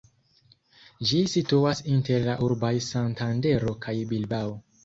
Ĝi situas inter la urboj Santandero kaj Bilbao.